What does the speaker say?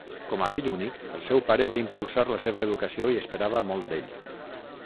Com a fill únic, el seu pare va impulsar la seva educació i esperava molt d'ell.